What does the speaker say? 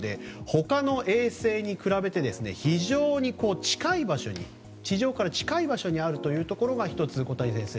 他の衛星に比べて非常に近い場所に地上から近い場所にあるというところが１つ、小谷先生